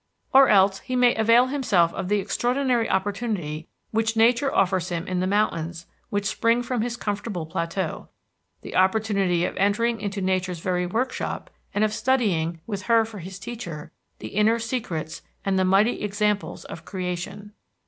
Or else he may avail himself of the extraordinary opportunity which Nature offers him in the mountains which spring from his comfortable plateau, the opportunity of entering into Nature's very workshop and of studying, with her for his teacher, the inner secrets and the mighty examples of creation.